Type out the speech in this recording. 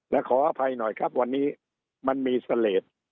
และขออภัยหน่อยครับวันนี้มันมีเสลด